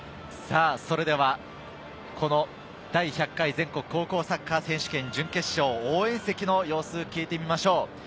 それではこの第１００回全国高校サッカー選手権準決勝、応援席の様子を聞いてみましょう。